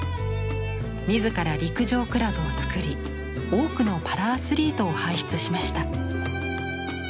自ら陸上クラブを作り多くのパラアスリートを輩出しました。